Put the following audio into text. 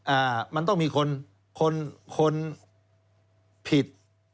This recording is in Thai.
อ่ามันต้องมีคนคนผิด